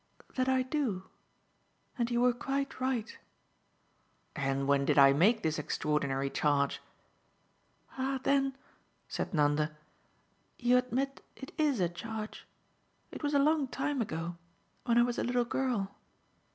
"That I do and you were quite right." "And when did I make this extraordinary charge?" "Ah then," said Nanda, "you admit it IS a charge. It was a long time ago when I was a little girl.